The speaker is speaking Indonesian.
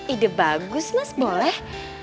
ide bagus mas boleh